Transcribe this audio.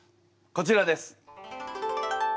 こちらです。